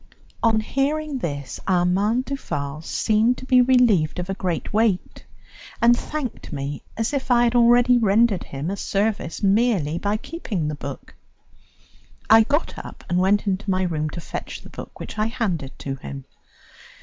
On hearing this, Armand Duval seemed to be relieved of a great weight, and thanked me as if I had already rendered him a service merely by keeping the book. I got up and went into my room to fetch the book, which I handed to him.